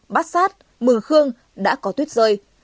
bát sát mường khương đã có tuyết rơi